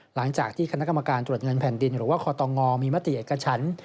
หลังจากที่คณะกรรมการตรวจเงินแผ่นดินหรือว่าคอตงมีมติเอกชั้น